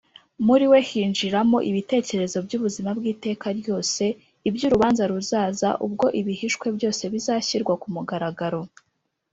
Muri we hinjiramo ibitekerezo by’ubuzima bw’iteka ryose, iby’urubanza ruzaza, ubwo ibihishwe byose bizashyirwa ku mugaragaro